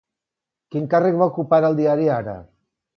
Quin càrrec va ocupar al diari Ara?